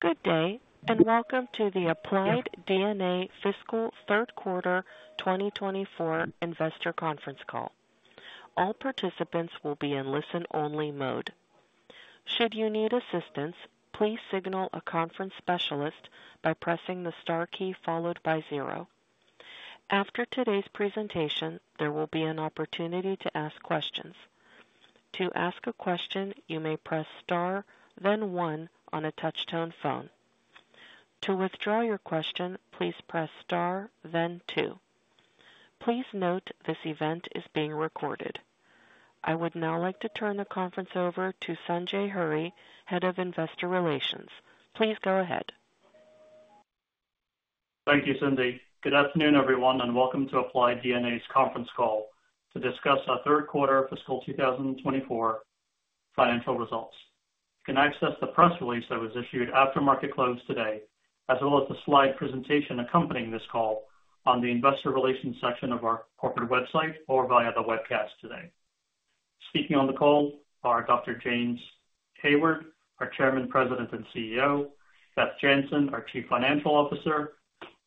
Good day, and welcome to the Applied DNA Fiscal Third Quarter 2024 Investor Conference Call. All participants will be in listen-only mode. Should you need assistance, please signal a conference specialist by pressing the star key followed by 0. After today's presentation, there will be an opportunity to ask questions. To ask a question, you may press star, then 1 on a touch-tone phone. To withdraw your question, please press star, then 2. Please note this event is being recorded. I would now like to turn the conference over to Sanjay Hurry, Head of Investor Relations. Please go ahead. Thank you, Cindy. Good afternoon, everyone, and welcome to Applied DNA's Conference Call to discuss our third quarter fiscal 2024 financial results. You can access the press release that was issued after market close today, as well as the slide presentation accompanying this call on the investor relations section of our corporate website or via the webcast today. Speaking on the call are Dr. James Hayward, our Chairman, President, and CEO, Beth Jantzen, our Chief Financial Officer,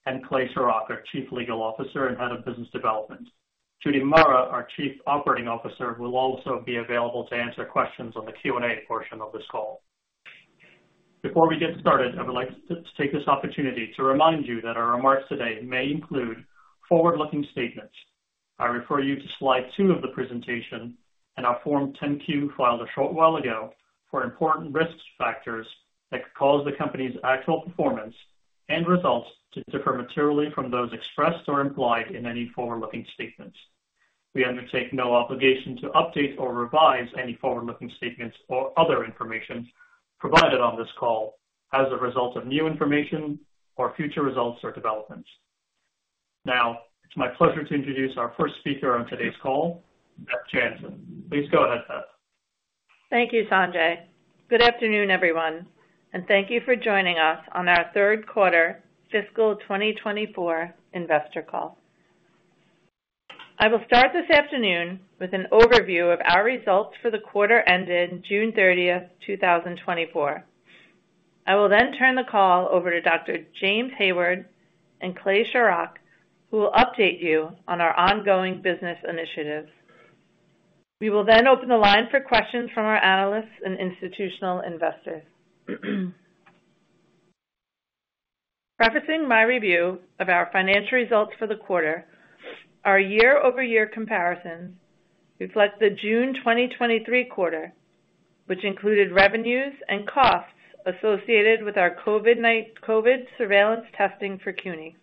and Clay Shorrock, our Chief Legal Officer and Head of Business Development. Judy Murrah, our Chief Operating Officer, will also be available to answer questions on the Q&A portion of this call. Before we get started, I would like to take this opportunity to remind you that our remarks today may include forward-looking statements. I refer you to slide 2 of the presentation and our Form 10-Q, filed a short while ago, for important risk factors that could cause the company's actual performance and results to differ materially from those expressed or implied in any forward-looking statements. We undertake no obligation to update or revise any forward-looking statements or other information provided on this call as a result of new information or future results or developments. Now, it's my pleasure to introduce our first speaker on today's call, Beth Jantzen. Please go ahead, Beth. Thank you, Sanjay. Good afternoon, everyone, and thank you for joining us on our third quarter fiscal 2024 investor call. I will start this afternoon with an overview of our results for the quarter ended June 30, 2024. I will then turn the call over to Dr. James Hayward and Clay Shorrock, who will update you on our ongoing business initiatives. We will then open the line for questions from our analysts and institutional investors. Prefacing my review of our financial results for the quarter, our year-over-year comparisons reflect the June 2023 quarter, which included revenues and costs associated with our COVID-19 surveillance testing for CUNY.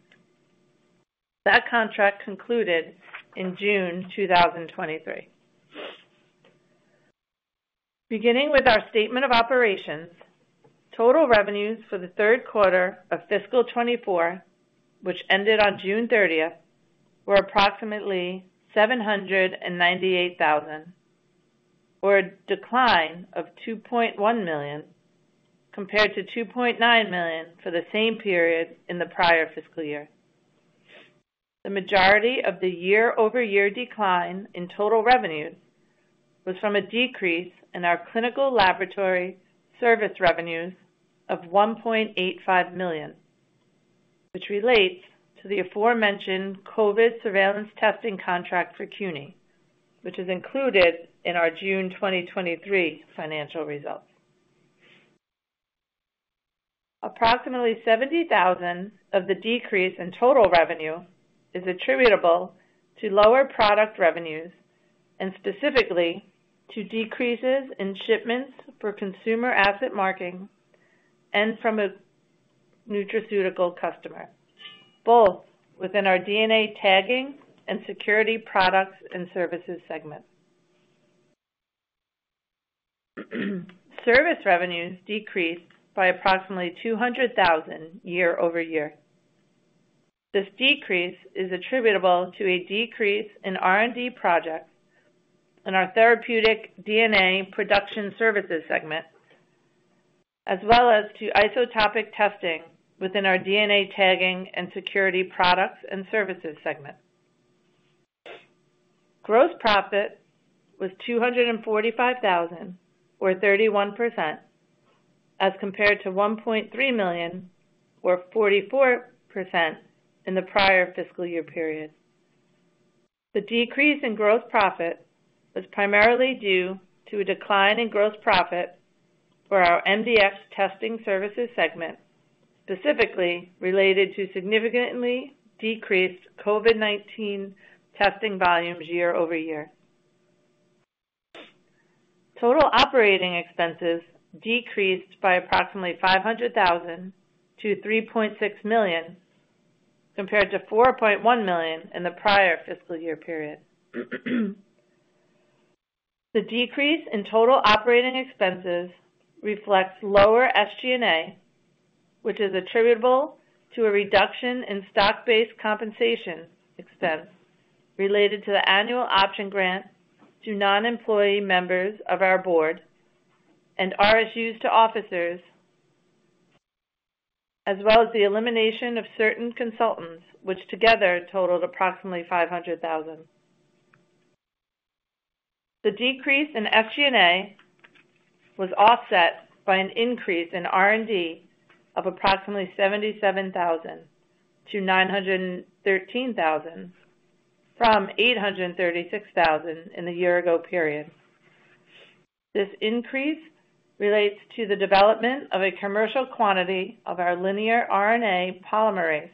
That contract concluded in June 2023. Beginning with our statement of operations, total revenues for the third quarter of fiscal 2024, which ended on June 30, were approximately $798 thousand, or a decline of $2.1 million, compared to $2.9 million for the same period in the prior fiscal year. The majority of the year-over-year decline in total revenues was from a decrease in our clinical laboratory service revenues of $1.85 million, which relates to the aforementioned COVID surveillance testing contract for CUNY, which is included in our June 2023 financial results. Approximately $70 thousand of the decrease in total revenue is attributable to lower product revenues and specifically to decreases in shipments for consumer asset marking and from a nutraceutical customer, both within our DNA tagging and security products and services segment. Service revenues decreased by approximately $200 thousand year-over-year. This decrease is attributable to a decrease in R&D projects in our therapeutic DNA production services segment, as well as to isotopic testing within our DNA tagging and security products and services segment. Gross profit was $245,000, or 31%, as compared to $1.3 million, or 44% in the prior fiscal year period. The decrease in gross profit was primarily due to a decline in gross profit for our MDx testing services segment, specifically related to significantly decreased COVID-19 testing volumes year-over-year. Total operating expenses decreased by approximately $500,000-$3.6 million, compared to $4.1 million in the prior fiscal year period. The decrease in total operating expenses reflects lower SG&A, which is attributable to a reduction in stock-based compensation expense related to the annual option grant to non-employee members of our board and RSUs to officers, as well as the elimination of certain consultants, which together totaled approximately $500,000. The decrease in SG&A was offset by an increase in R&D of approximately $77,000-$913,000, from $836,000 in the year ago period. This increase relates to the development of a commercial quantity of our Linea RNA polymerase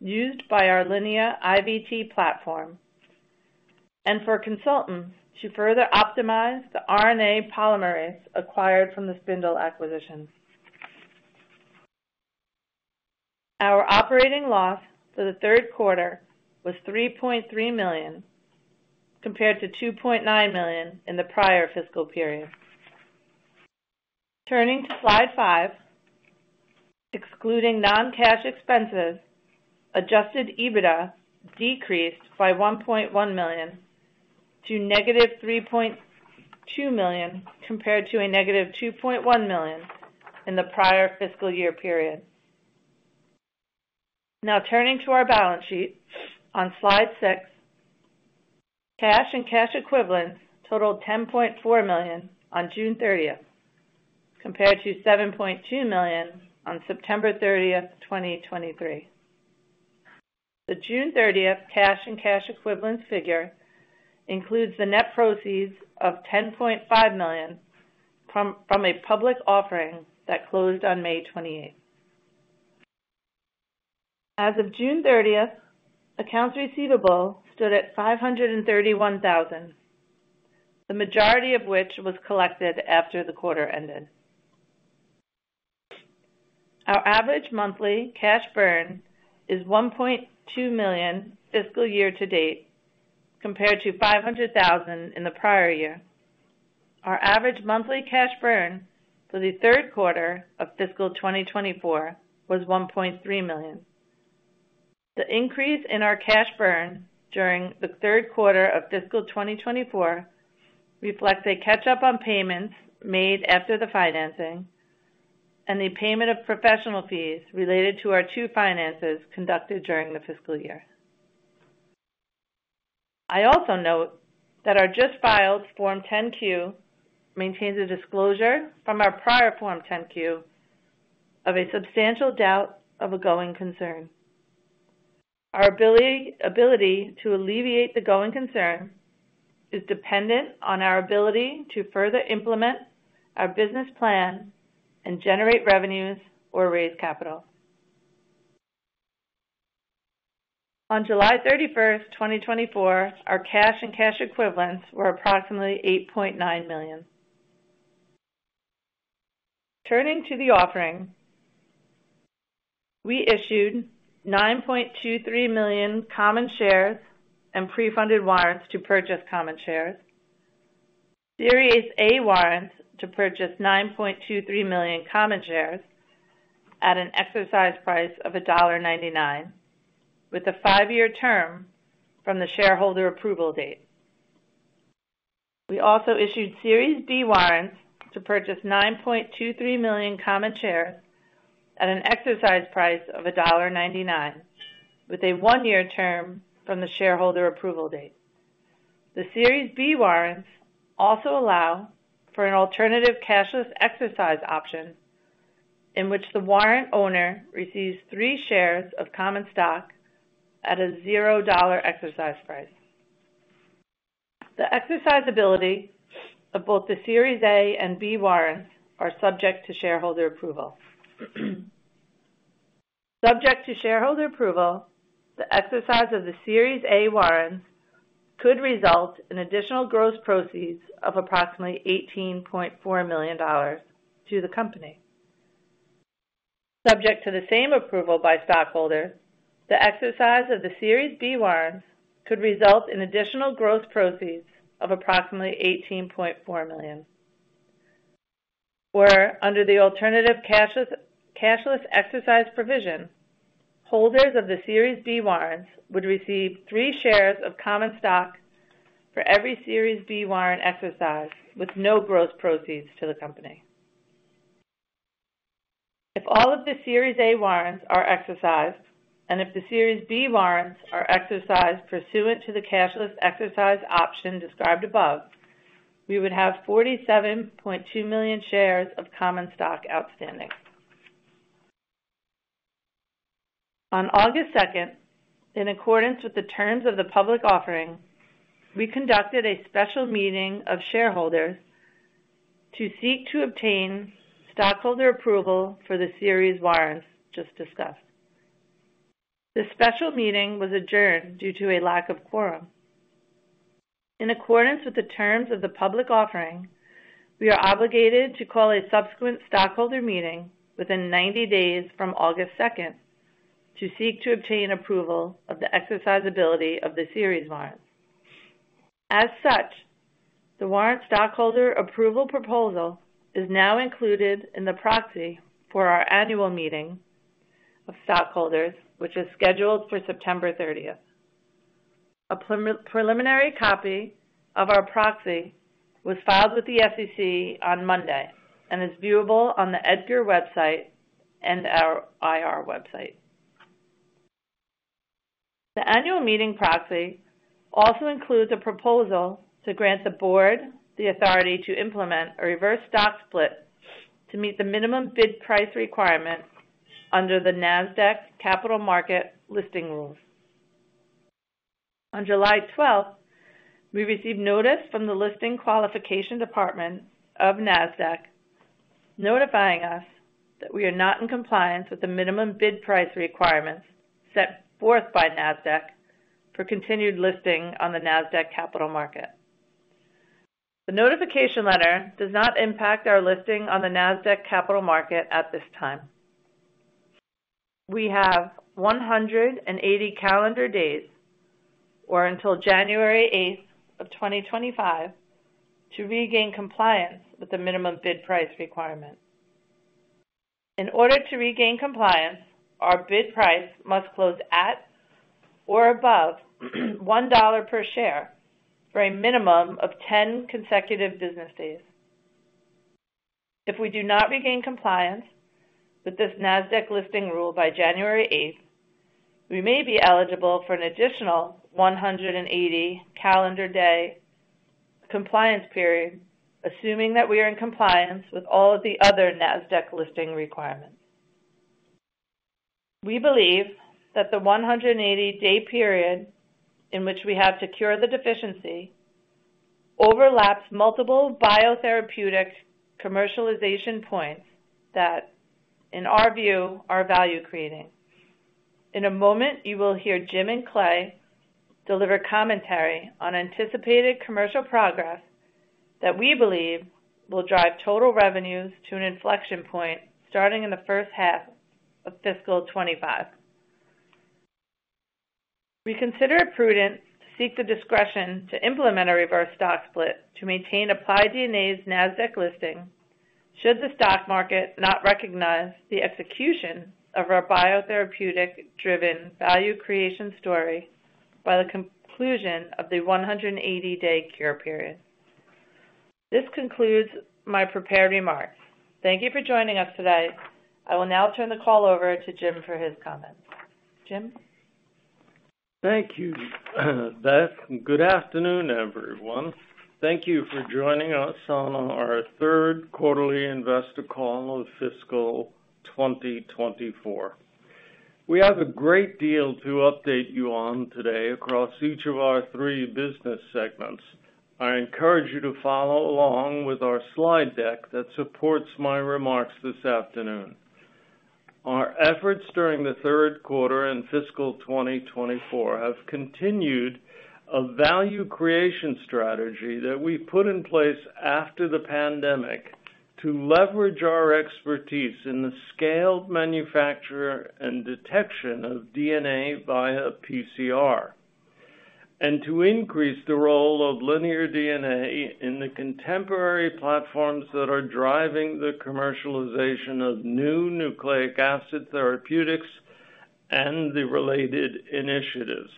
used by our Linea IVT platform, and for consultants to further optimize the RNA polymerase acquired from the Spindle acquisition. Our operating loss for the third quarter was $3.3 million, compared to $2.9 million in the prior fiscal period. Turning to Slide 5, excluding non-cash expenses, adjusted EBITDA decreased by $1.1 million to negative $3.2 million, compared to a negative $2.1 million in the prior fiscal year period. Now, turning to our balance sheet on Slide 6, cash and cash equivalents totaled $10.4 million on June 30, compared to $7.2 million on September 30, 2023. The June 30 cash and cash equivalents figure includes the net proceeds of $10.5 million from a public offering that closed on May 28. As of June 30, accounts receivable stood at $531,000, the majority of which was collected after the quarter ended. Our average monthly cash burn is $1.2 million fiscal year to date, compared to $500,000 in the prior year. Our average monthly cash burn for the third quarter of fiscal 2024 was $1.3 million. The increase in our cash burn during the third quarter of fiscal 2024 reflects a catch-up on payments made after the financing and the payment of professional fees related to our two financings conducted during the fiscal year. I also note that our just filed Form 10-Q maintains a disclosure from our prior Form 10-Q of a substantial doubt of a going concern. Our ability to alleviate the going concern is dependent on our ability to further implement our business plan and generate revenues or raise capital. On July 31, 2024, our cash and cash equivalents were approximately $8.9 million. Turning to the offering, we issued 9.23 million common shares and pre-funded warrants to purchase common shares. Series A warrants to purchase 9.23 million common shares at an exercise price of $1.99, with a 5-year term from the shareholder approval date. We also issued Series B warrants to purchase 9.23 million common shares at an exercise price of $1.99, with a 1-year term from the shareholder approval date. The Series B warrants also allow for an alternative cashless exercise option, in which the warrant owner receives 3 shares of common stock at a $0 exercise price. The exercisability of both the Series A and B warrants are subject to shareholder approval. Subject to shareholder approval, the exercise of the Series A warrants could result in additional gross proceeds of approximately $18.4 million to the company. Subject to the same approval by stockholders, the exercise of the Series B warrants could result in additional gross proceeds of approximately $18.4 million. Where under the alternative cashless, cashless exercise provision, holders of the Series B warrants would receive 3 shares of common stock for every Series B warrant exercised, with no gross proceeds to the company. If all of the Series A warrants are exercised, and if the Series B warrants are exercised pursuant to the cashless exercise option described above, we would have 47.2 million shares of common stock outstanding. On August 2, in accordance with the terms of the public offering, we conducted a special meeting of shareholders to seek to obtain stockholder approval for the Series warrants just discussed. The special meeting was adjourned due to a lack of quorum. In accordance with the terms of the public offering, we are obligated to call a subsequent stockholder meeting within 90 days from August 2, to seek to obtain approval of the exercisability of the series warrants. As such, the warrant stockholder approval proposal is now included in the proxy for our annual meeting of stockholders, which is scheduled for September 30. A preliminary copy of our proxy was filed with the SEC on Monday and is viewable on the EDGAR website and our IR website. The annual meeting proxy also includes a proposal to grant the board the authority to implement a reverse stock split to meet the minimum bid price requirement under the Nasdaq Capital Market Listing Rules. On July 12, we received notice from the Listing Qualification Department of Nasdaq, notifying us that we are not in compliance with the minimum bid price requirements set forth by Nasdaq for continued listing on the Nasdaq Capital Market. The notification letter does not impact our listing on the Nasdaq Capital Market at this time. We have 180 calendar days, or until January 8, 2025, to regain compliance with the minimum bid price requirement. In order to regain compliance, our bid price must close at or above $1 per share for a minimum of 10 consecutive business days. If we do not regain compliance with this Nasdaq listing rule by January 8, we may be eligible for an additional 180 calendar day compliance period, assuming that we are in compliance with all of the other Nasdaq listing requirements. We believe that the 180-day period in which we have to cure the deficiency overlaps multiple biotherapeutic commercialization points that, in our view, are value creating. In a moment, you will hear Jim and Clay deliver commentary on anticipated commercial progress that we believe will drive total revenues to an inflection point, starting in the first half of fiscal 2025. We consider it prudent to seek the discretion to implement a reverse stock split to maintain Applied DNA's Nasdaq listing, should the stock market not recognize the execution of our biotherapeutic-driven value creation story by the conclusion of the 180-day cure period. This concludes my prepared remarks. Thank you for joining us today. I will now turn the call over to Jim for his comments. Jim? Thank you, Beth, and good afternoon, everyone. Thank you for joining us on our third quarterly investor call of fiscal 2024. We have a great deal to update you on today across each of our three business segments. I encourage you to follow along with our slide deck that supports my remarks this afternoon. Our efforts during the third quarter and fiscal 2024 have continued a value creation strategy that we put in place after the pandemic to leverage our expertise in the scaled manufacture and detection of DNA via PCR, and to increase the role of linear DNA in the contemporary platforms that are driving the commercialization of new nucleic acid therapeutics and the related initiatives.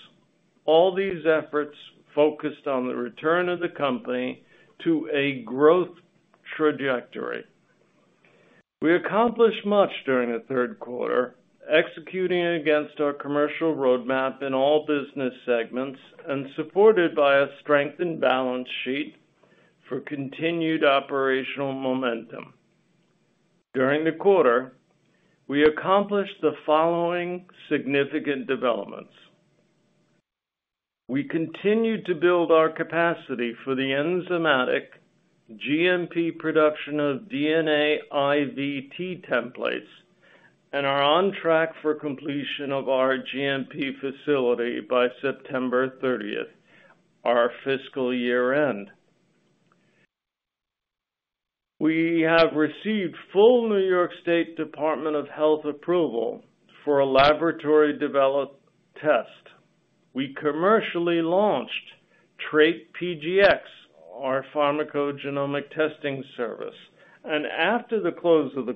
All these efforts focused on the return of the company to a growth trajectory. We accomplished much during the third quarter, executing against our commercial roadmap in all business segments and supported by a strengthened balance sheet for continued operational momentum. During the quarter, we accomplished the following significant developments. We continued to build our capacity for the enzymatic GMP production of DNA IVT templates, and are on track for completion of our GMP facility by September 30th, our fiscal year-end. We have received full New York State Department of Health approval for a laboratory-developed test. We commercially launched TR8 PGx, our pharmacogenomic testing service, and after the close of the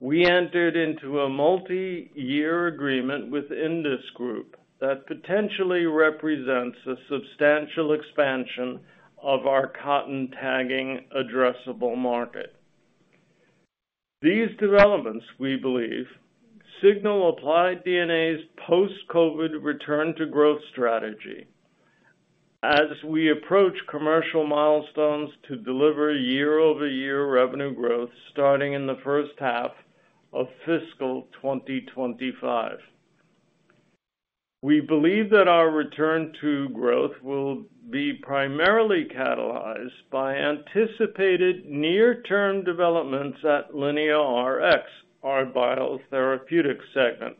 quarter, we entered into a multiyear agreement with Indus Group that potentially represents a substantial expansion of our cotton tagging addressable market. These developments, we believe, signal Applied DNA's post-COVID return to growth strategy as we approach commercial milestones to deliver year-over-year revenue growth starting in the first half of fiscal 2025. We believe that our return to growth will be primarily catalyzed by anticipated near-term developments at LineaRx, our biotherapeutic segment,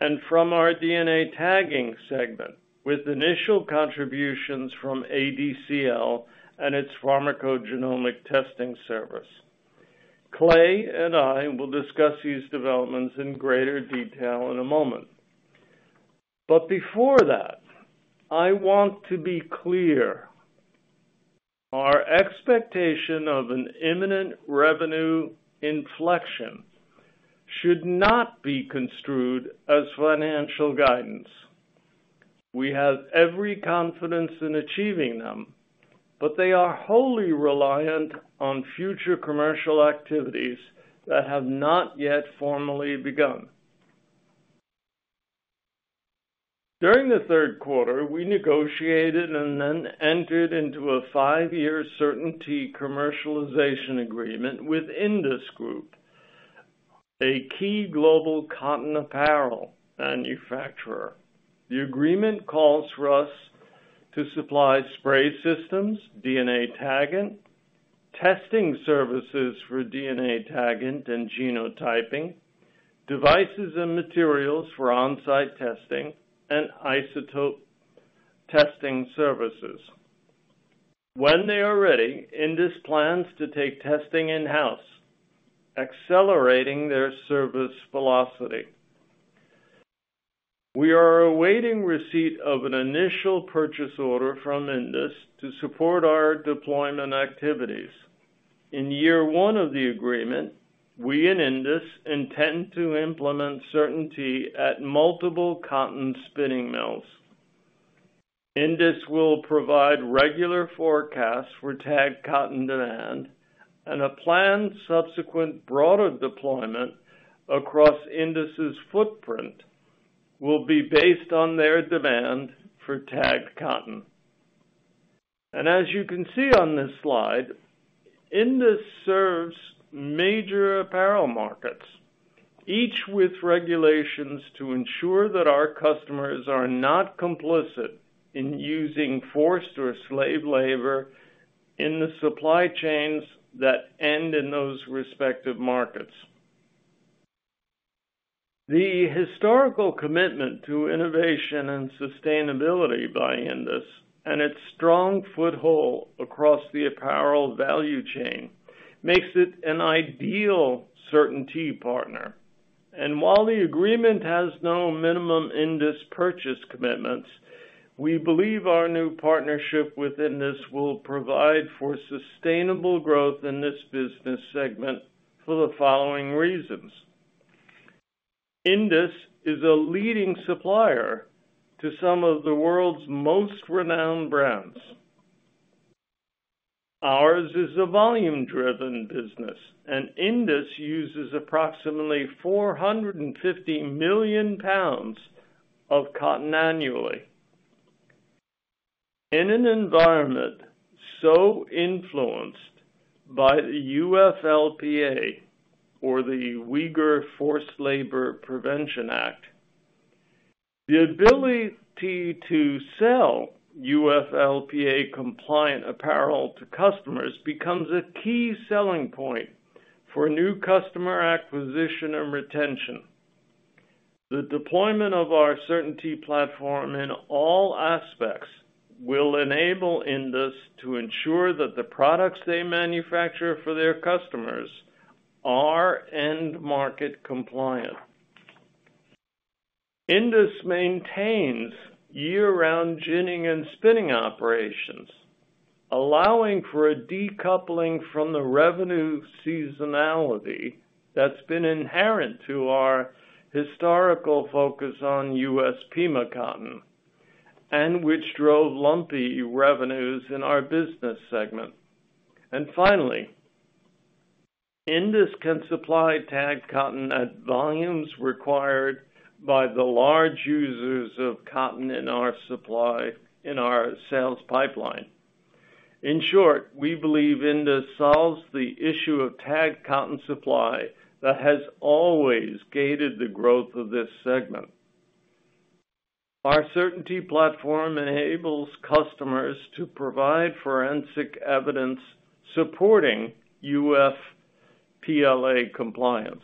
and from our DNA tagging segment, with initial contributions from ADCL and its pharmacogenomic testing service. Clay and I will discuss these developments in greater detail in a moment. But before that, I want to be clear, our expectation of an imminent revenue inflection should not be construed as financial guidance. We have every confidence in achieving them, but they are wholly reliant on future commercial activities that have not yet formally begun. During the third quarter, we negotiated and then entered into a five-year CertainT commercialization agreement with Indus Group, a key global cotton apparel manufacturer. The agreement calls for us to supply spray systems, DNA taggant, testing services for DNA taggant and genotyping, devices and materials for on-site testing, and isotope testing services. When they are ready, Indus plans to take testing in-house, accelerating their service velocity. We are awaiting receipt of an initial purchase order from Indus to support our deployment activities. In year one of the agreement, we and Indus intend to implement CertainT at multiple cotton spinning mills. Indus will provide regular forecasts for tagged cotton demand, and a planned subsequent broader deployment across Indus's footprint will be based on their demand for tagged cotton. As you can see on this slide, Indus serves major apparel markets, each with regulations to ensure that our customers are not complicit in using forced or slave labor in the supply chains that end in those respective markets. The historical commitment to innovation and sustainability by Indus and its strong foothold across the apparel value chain makes it an ideal CertainT partner. And while the agreement has no minimum Indus purchase commitments, we believe our new partnership with Indus will provide for sustainable growth in this business segment for the following reasons: Indus is a leading supplier to some of the world's most renowned brands. Ours is a volume-driven business, and Indus uses approximately 450 million pounds of cotton annually. In an environment so influenced by the UFLPA, or the Uyghur Forced Labor Prevention Act, the ability to sell UFLPA-compliant apparel to customers becomes a key selling point for new customer acquisition and retention. The deployment of our CertainT platform in all aspects will enable Indus to ensure that the products they manufacture for their customers are end-market compliant. Indus maintains year-round ginning and spinning operations, allowing for a decoupling from the revenue seasonality that's been inherent to our historical focus on U.S. Pima cotton, and which drove lumpy revenues in our business segment. And finally, Indus can supply tagged cotton at volumes required by the large users of cotton in our sales pipeline. In short, we believe Indus solves the issue of tagged cotton supply that has always gated the growth of this segment. Our CertainT platform enables customers to provide forensic evidence supporting UFLPA compliance.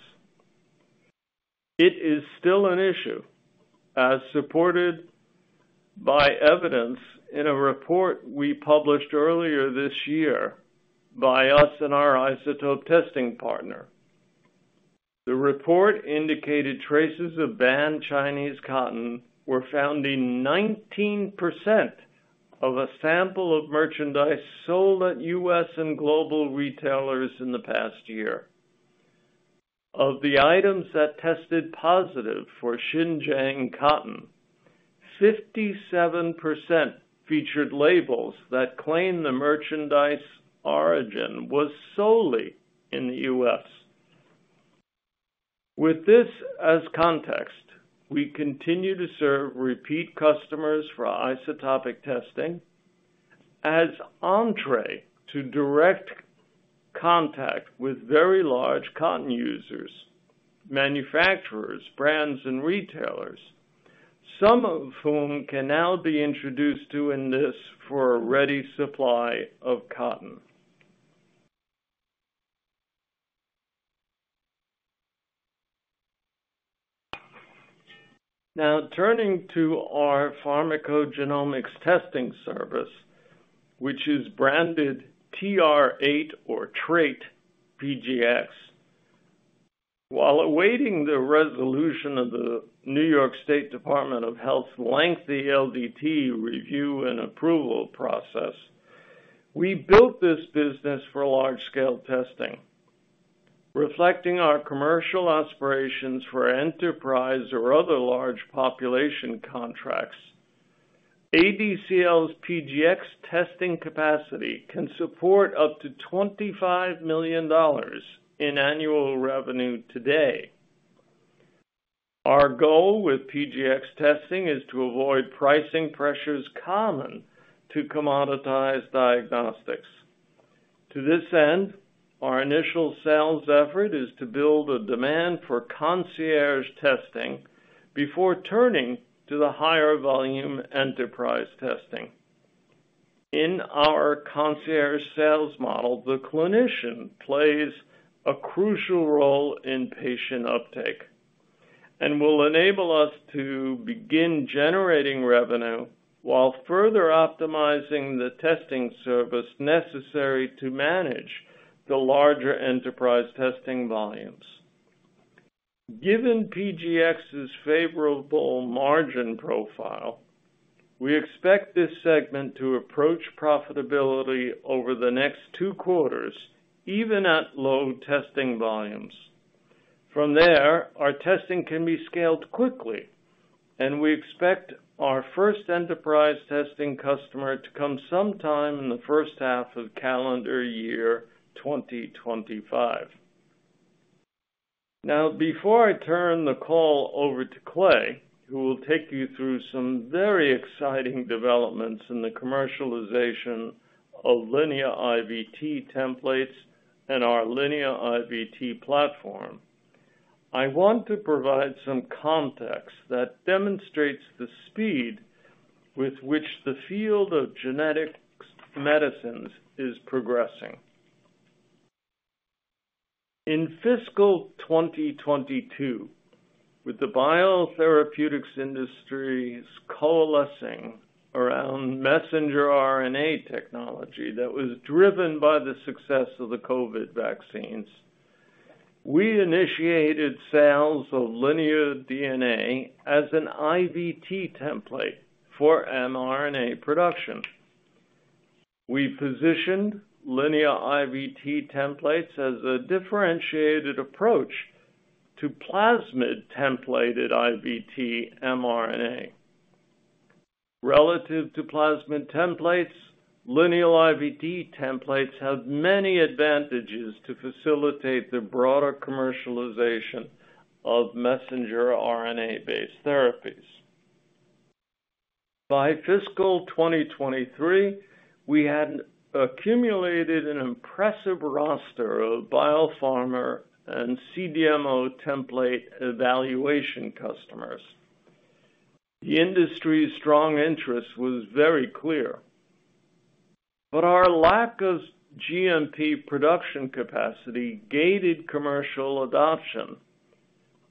It is still an issue, as supported by evidence in a report we published earlier this year by us and our isotopic testing partner. The report indicated traces of banned Chinese cotton were found in 19% of a sample of merchandise sold at U.S. and global retailers in the past year. Of the items that tested positive for Xinjiang cotton, 57% featured labels that claim the merchandise origin was solely in the U.S. With this as context, we continue to serve repeat customers for isotopic testing as entree to direct contact with very large cotton users, manufacturers, brands, and retailers, some of whom can now be introduced to Indus for a ready supply of cotton. Now, turning to our pharmacogenomics testing service, which is branded TR8 or Trait PGX. While awaiting the resolution of the New York State Department of Health's lengthy LDT review and approval process, we built this business for large-scale testing, reflecting our commercial aspirations for enterprise or other large population contracts, ADCL's PGX testing capacity can support up to $25 million in annual revenue today. Our goal with PGX testing is to avoid pricing pressures common to commoditized diagnostics. To this end, our initial sales effort is to build a demand for concierge testing before turning to the higher volume enterprise testing. In our concierge sales model, the clinician plays a crucial role in patient uptake, and will enable us to begin generating revenue while further optimizing the testing service necessary to manage the larger enterprise testing volumes. Given PGX's favorable margin profile, we expect this segment to approach profitability over the next two quarters, even at low testing volumes. From there, our testing can be scaled quickly, and we expect our first enterprise testing customer to come sometime in the first half of calendar year 2025. Now, before I turn the call over to Clay, who will take you through some very exciting developments in the commercialization of linear IVT templates and our Linear IVT platform, I want to provide some context that demonstrates the speed with which the field of genetic medicines is progressing. In fiscal 2022, with the biotherapeutics industry's coalescing around messenger RNA technology that was driven by the success of the COVID vaccines, we initiated sales of linear DNA as an IVT template for mRNA production. We positioned linear IVT templates as a differentiated approach to plasmid templated IVT mRNA. Relative to plasmid templates, linear IVT templates have many advantages to facilitate the broader commercialization of messenger RNA-based therapies. By fiscal 2023, we had accumulated an impressive roster of biopharma and CDMO template evaluation customers. The industry's strong interest was very clear, but our lack of GMP production capacity gated commercial adoption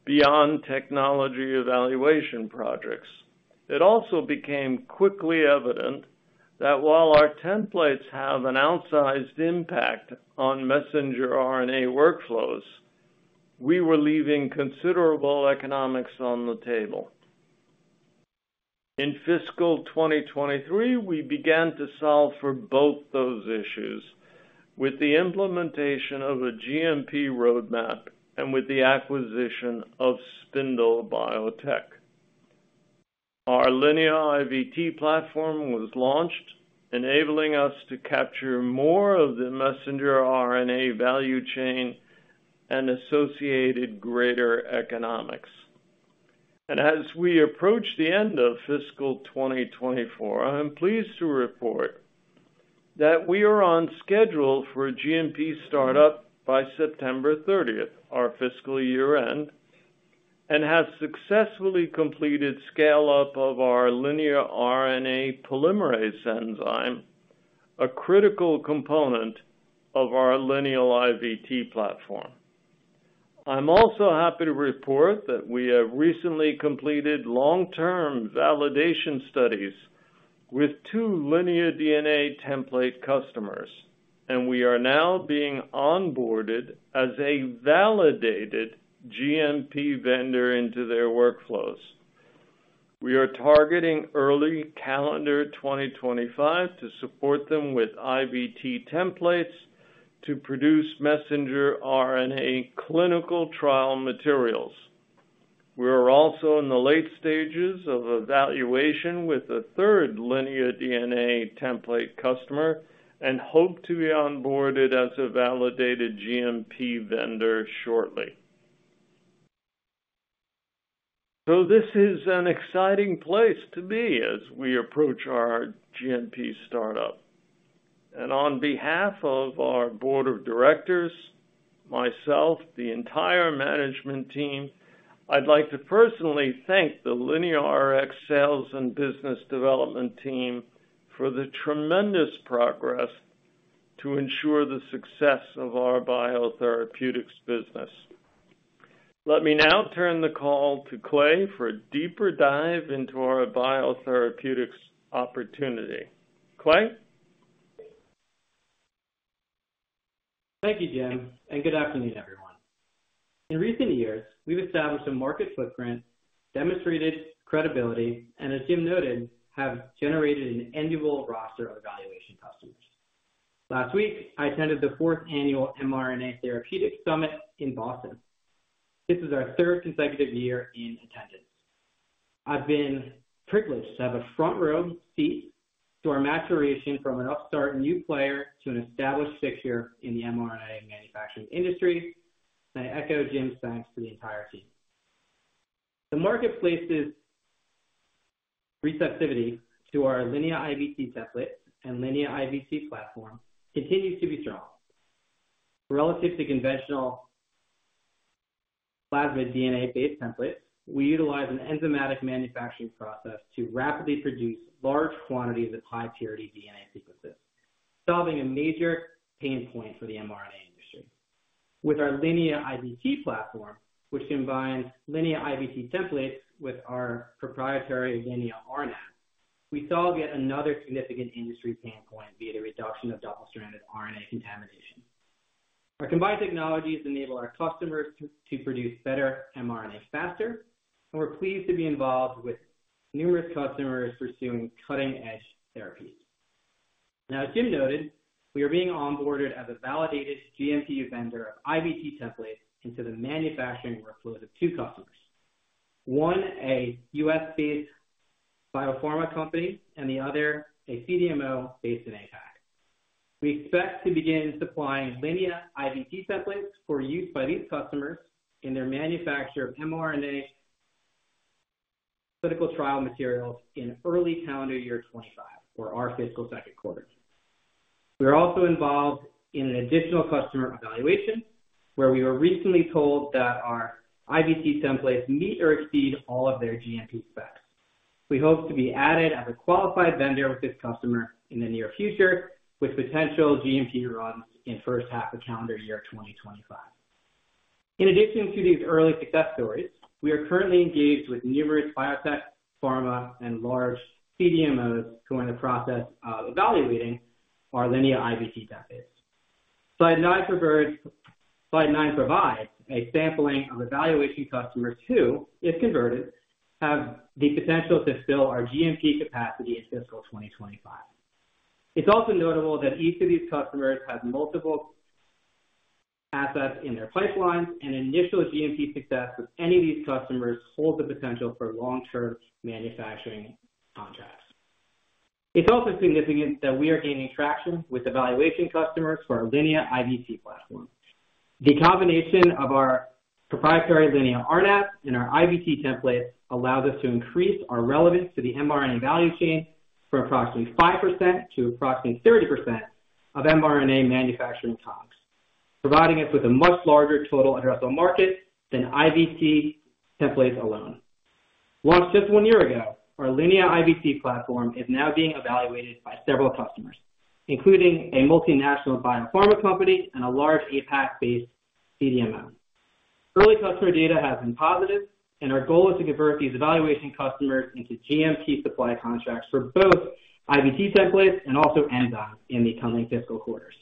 beyond technology evaluation projects. It also became quickly evident that while our templates have an outsized impact on messenger RNA workflows, we were leaving considerable economics on the table. In fiscal 2023, we began to solve for both those issues with the implementation of a GMP roadmap and with the acquisition of Spindle Biotech. Our Linea IVT platform was launched, enabling us to capture more of the messenger RNA value chain and associated greater economics. As we approach the end of fiscal 2024, I am pleased to report that we are on schedule for a GMP startup by September 30, our fiscal year-end, and have successfully completed scale-up of our Linea RNA polymerase enzyme, a critical component of our Linea IVT platform. I'm also happy to report that we have recently completed long-term validation studies with two Linea DNA template customers, and we are now being onboarded as a validated GMP vendor into their workflows. We are targeting early calendar 2025 to support them with IVT templates to produce messenger RNA clinical trial materials. We are also in the late stages of evaluation with a third Linea DNA template customer and hope to be onboarded as a validated GMP vendor shortly. So this is an exciting place to be as we approach our GMP startup. And on behalf of our board of directors, myself, the entire management team, I'd like to personally thank the LineaRx sales and business development team for the tremendous progress to ensure the success of our biotherapeutics business. Let me now turn the call to Clay for a deeper dive into our biotherapeutics opportunity. Clay? Thank you, Jim, and good afternoon, everyone. In recent years, we've established a market footprint, demonstrated credibility, and as Jim noted, have generated an annual roster of evaluation customers. Last week, I attended the fourth annual mRNA Therapeutic Summit in Boston. This is our third consecutive year in attendance. I've been privileged to have a front-row seat to our maturation from an upstart new player to an established fixture in the mRNA manufacturing industry, and I echo Jim's thanks to the entire team. The marketplace's receptivity to our Linea IVT template and Linea IVT platform continues to be strong. Relative to conventional plasmid DNA-based templates, we utilize an enzymatic manufacturing process to rapidly produce large quantities of high-purity DNA sequences, solving a major pain point for the mRNA industry. With our Linea IVT platform, which combines Linea IVT templates with our proprietary Linea RNA, we solve yet another significant industry pain point via the reduction of double-stranded RNA contamination. Our combined technologies enable our customers to produce better mRNA faster, and we're pleased to be involved with numerous customers pursuing cutting-edge therapies. Now, as Jim noted, we are being onboarded as a validated GMP vendor of IVT templates into the manufacturing workflow of two customers, one, a U.S.-based biopharma company, and the other, a CDMO based in APAC. We expect to begin supplying Linea IVT templates for use by these customers in their manufacture of mRNA clinical trial materials in early calendar year 2025 or our fiscal second quarter. We are also involved in an additional customer evaluation, where we were recently told that our IVT templates meet or exceed all of their GMP specs. We hope to be added as a qualified vendor with this customer in the near future, with potential GMP runs in first half of calendar year 2025. In addition to these early success stories, we are currently engaged with numerous biotech, pharma, and large CDMOs who are in the process of evaluating our Linea IVT templates. Slide 9 provides a sampling of evaluation customers who, if converted, have the potential to fill our GMP capacity in fiscal 2025. It's also notable that each of these customers has multiple assets in their pipelines, and initial GMP success with any of these customers holds the potential for long-term manufacturing contracts. It's also significant that we are gaining traction with evaluation customers for our Linea IVT platform. The combination of our proprietary Linea RNAP and our IVT templates allows us to increase our relevance to the mRNA value chain from approximately 5% to approximately 30% of mRNA manufacturing costs, providing us with a much larger total addressable market than IVT templates alone. Launched just one year ago, our Linea IVT platform is now being evaluated by several customers, including a multinational biopharma company and a large APAC-based CDMO. Early customer data has been positive, and our goal is to convert these evaluation customers into GMP supply contracts for both IVT templates and also enzymes in the coming fiscal quarters.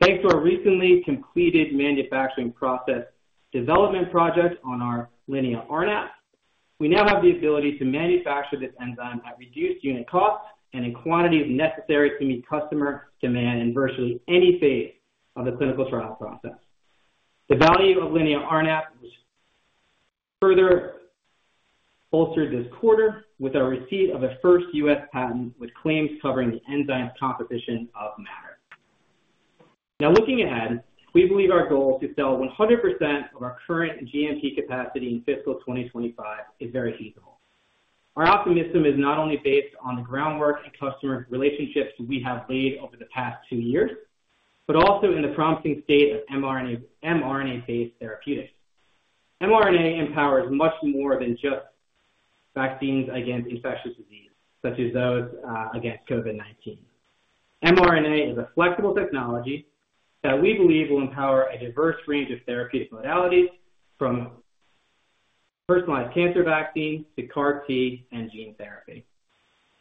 Thanks to our recently completed manufacturing process development project on our Linea RNAP, we now have the ability to manufacture this enzyme at reduced unit costs and in quantities necessary to meet customer demand in virtually any phase of the clinical trial process. The value of Linea RNAP was further bolstered this quarter with our receipt of a first U.S. patent, with claims covering the enzyme's composition of matter. Now, looking ahead, we believe our goal to sell 100% of our current GMP capacity in fiscal 2025 is very feasible. Our optimism is not only based on the groundwork and customer relationships we have laid over the past two years, but also in the promising state of mRNA, mRNA-based therapeutics. mRNA empowers much more than just vaccines against infectious diseases, such as those against COVID-19. mRNA is a flexible technology that we believe will empower a diverse range of therapeutic modalities, from personalized cancer vaccines to CAR-T and gene therapy.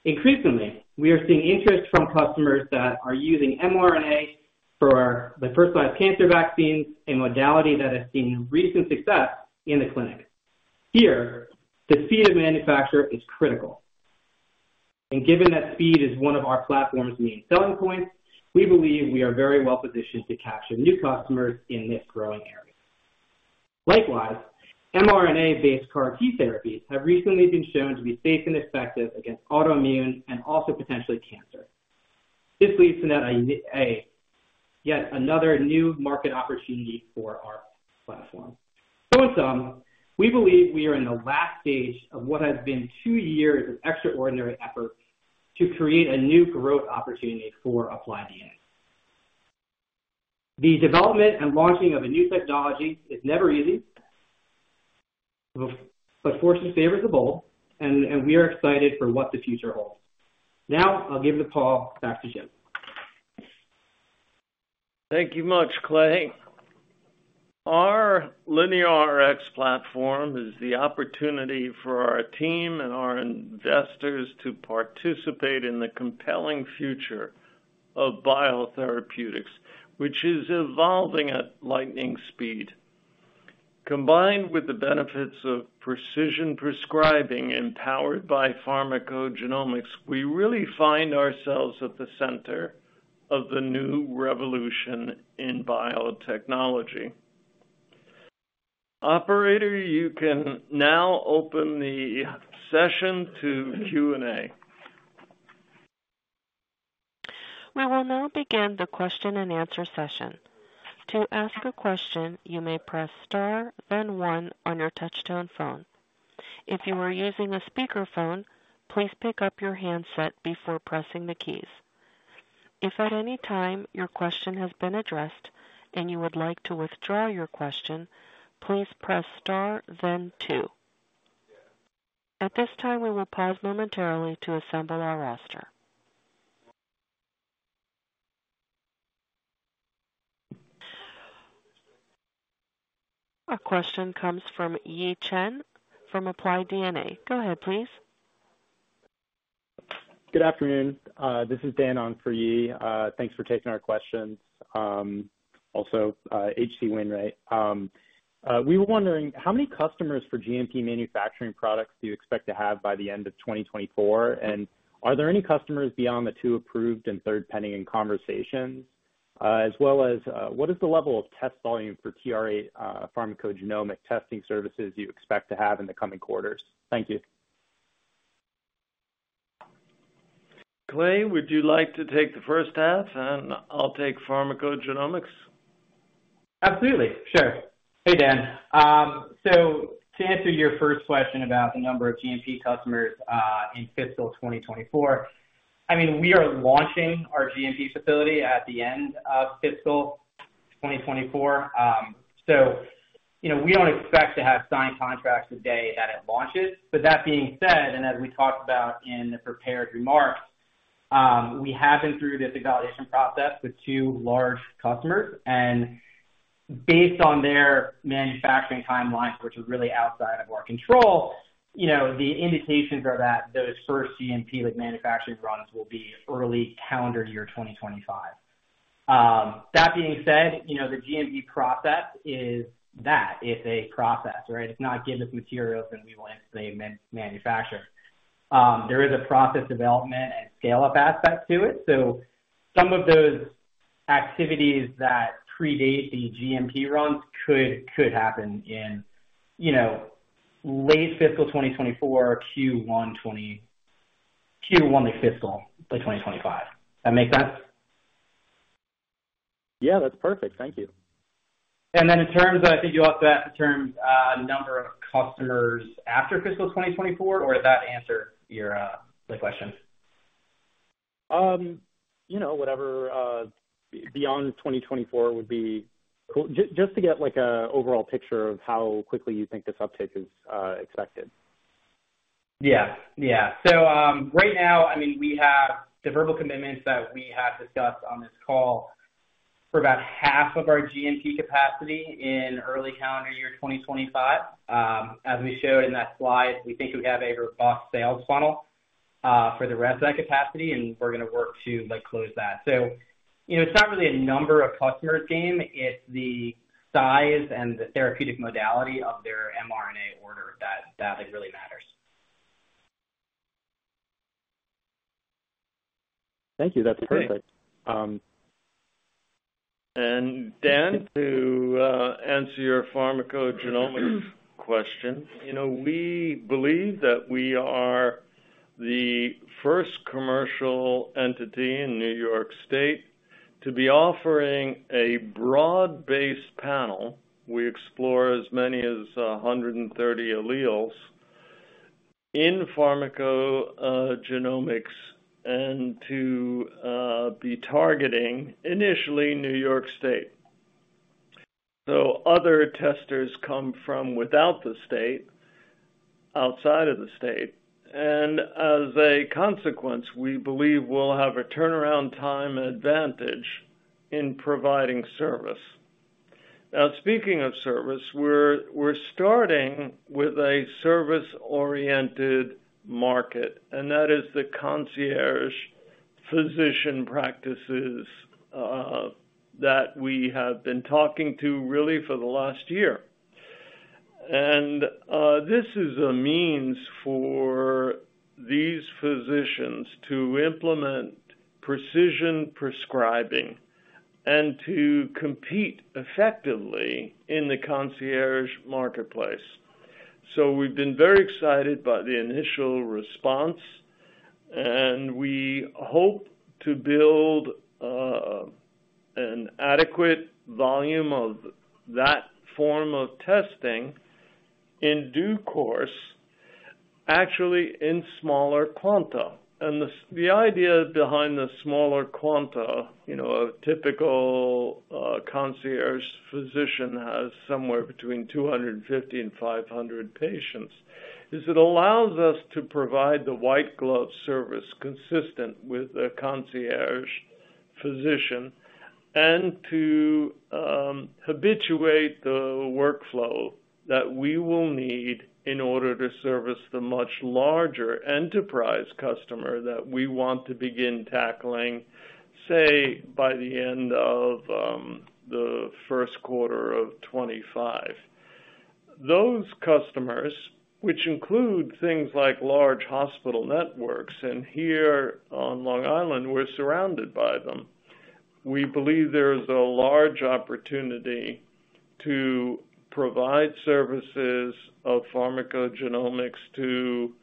Increasingly, we are seeing interest from customers that are using mRNA for the personalized cancer vaccines, a modality that has seen recent success in the clinic. Here, the speed of manufacture is critical, and given that speed is one of our platform's main selling points, we believe we are very well positioned to capture new customers in this growing area. Likewise, mRNA-based CAR-T therapies have recently been shown to be safe and effective against autoimmune and also potentially cancer. This leads to yet another new market opportunity for our platform. In sum, we believe we are in the last stage of what has been two years of extraordinary effort to create a new growth opportunity for Applied DNA. The development and launching of a new technology is never easy, but fortune favors the bold, and we are excited for what the future holds. Now, I'll give the call back to Jim. Thank you much, Clay. Our LineaRx platform is the opportunity for our team and our investors to participate in the compelling future of biotherapeutics, which is evolving at lightning speed. Combined with the benefits of precision prescribing and powered by pharmacogenomics, we really find ourselves at the center of the new revolution in biotechnology. Operator, you can now open the session to Q&A. We will now begin the question and answer session. To ask a question, you may press Star then one on your touchtone phone. If you are using a speakerphone, please pick up your handset before pressing the keys. If at any time your question has been addressed and you would like to withdraw your question, please press Star then two. At this time, we will pause momentarily to assemble our roster. Our question comes from Yi Chen, from Applied DNA. Go ahead, please. Good afternoon. This is Dan on for Yi. Thanks for taking our questions. Also, H.C. Wainwright. We were wondering, how many customers for GMP manufacturing products do you expect to have by the end of 2024? And are there any customers beyond the two approved and third pending in conversations? As well as, what is the level of test volume for TRA pharmacogenomic testing services you expect to have in the coming quarters? Thank you. Clay, would you like to take the first half? I'll take pharmacogenomics. Absolutely. Sure. Hey, Dan. So to answer your first question about the number of GMP customers, in fiscal 2024, I mean, we are launching our GMP facility at the end of fiscal 2024. So, you know, we don't expect to have signed contracts the day that it launches. But that being said, and as we talked about in the prepared remarks, we have been through this evaluation process with two large customers, and based on their manufacturing timelines, which is really outside of our control, you know, the indications are that those first GMP manufacturing runs will be early calendar year 2025. That being said, you know, the GMP process is that, it's a process, right? It's not give us materials and we will instantly manufacture. There is a process development and scale-up aspect to it. So some of those activities that predate the GMP runs could happen in, you know, late fiscal 2024, Q1 fiscal 2025. That make sense? Yeah, that's perfect. Thank you. In terms of, I think you also asked the terms number of customers after fiscal 2024, or did that answer your the question? You know, whatever beyond 2024 would be cool. Just to get, like, an overall picture of how quickly you think this uptake is expected. Yeah. Yeah. So, right now, I mean, we have the verbal commitments that we have discussed on this call for about half of our GMP capacity in early calendar year 2025. As we showed in that slide, we think we have a robust sales funnel for the rest of that capacity, and we're going to work to, like, close that. So, you know, it's not really a number of customers game, it's the size and the therapeutic modality of their mRNA order that, that it really matters. Thank you. That's perfect. And Dan, to answer your pharmacogenomics question, you know, we believe that we are the first commercial entity in New York State to be offering a broad-based panel. We explore as many as 130 alleles in pharmacogenomics and to be targeting initially New York State. So other testers come from without the state, outside of the state, and as a consequence, we believe we'll have a turnaround time advantage in providing service. Now, speaking of service, we're starting with a service-oriented market, and that is the concierge physician practices that we have been talking to really for the last year. And this is a means for these physicians to implement precision prescribing and to compete effectively in the concierge marketplace. So we've been very excited by the initial response, and we hope to build an adequate volume of that form of testing in due course, actually in smaller quanta. And the idea behind the smaller quanta, you know, a typical concierge physician has somewhere between 250 and 500 patients, is it allows us to provide the white glove service consistent with a concierge physician... and to habituate the workflow that we will need in order to service the much larger enterprise customer that we want to begin tackling, say, by the end of the first quarter of 2025. Those customers, which include things like large hospital networks, and here on Long Island, we're surrounded by them. We believe there is a large opportunity to provide services of pharmacogenomics to,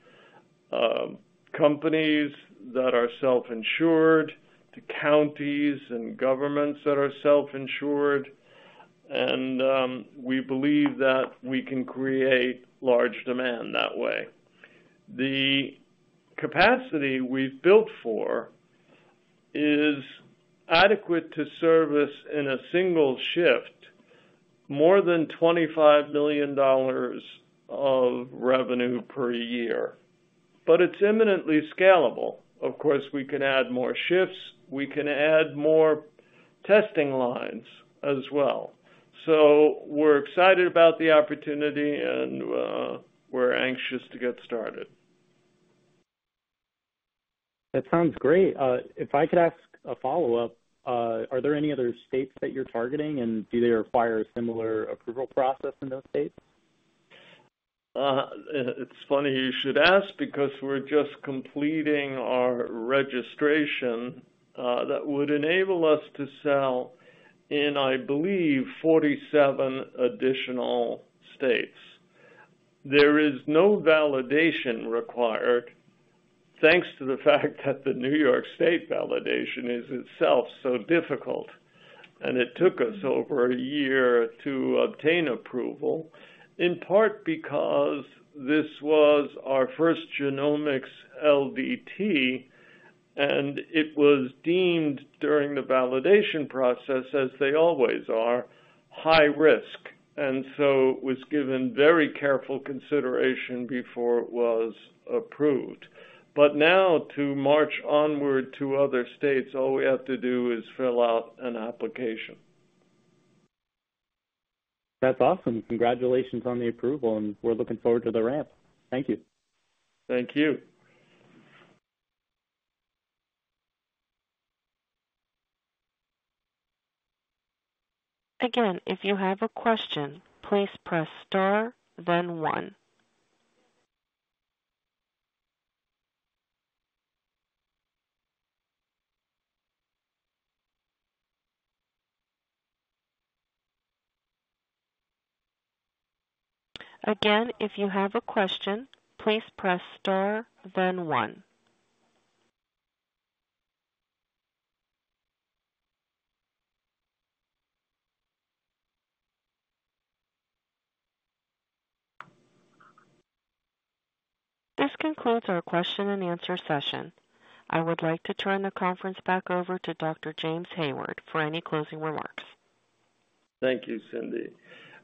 companies that are self-insured, to counties and governments that are self-insured, and, we believe that we can create large demand that way. The capacity we've built for is adequate to service in a single shift, more than $25 million of revenue per year, but it's imminently scalable. Of course, we can add more shifts, we can add more testing lines as well. So we're excited about the opportunity and, we're anxious to get started. That sounds great. If I could ask a follow-up, are there any other states that you're targeting, and do they require a similar approval process in those states? It's funny you should ask, because we're just completing our registration that would enable us to sell in, I believe, 47 additional states. There is no validation required, thanks to the fact that the New York State validation is itself so difficult, and it took us over a year to obtain approval, in part because this was our first genomics LDT, and it was deemed during the validation process, as they always are, high risk, and so was given very careful consideration before it was approved. But now to march onward to other states, all we have to do is fill out an application. That's awesome. Congratulations on the approval, and we're looking forward to the ramp. Thank you. Thank you. Again, if you have a question, please press Star, then one. Again, if you have a question, please press Star, then one. This concludes our question and answer session. I would like to turn the conference back over to Dr. James Hayward for any closing remarks. Thank you, Cindy,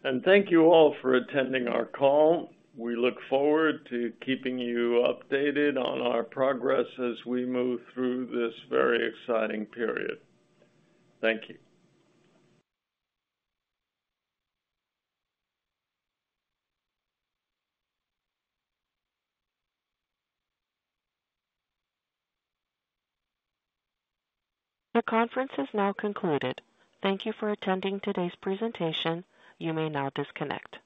and thank you all for attending our call. We look forward to keeping you updated on our progress as we move through this very exciting period. Thank you. The conference is now concluded. Thank you for attending today's presentation. You may now disconnect.